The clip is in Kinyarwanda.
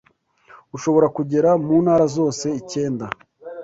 ushobora kugera mu ntara zose icyenda